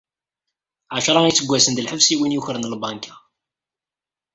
Ԑecra iseggasen d lḥebs i win yukren lbanka.